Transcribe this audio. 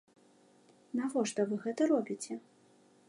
Навошта вы гэта робіце?